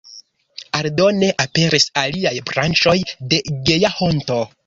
Aldone aperis aliaj branĉoj de Geja Honto.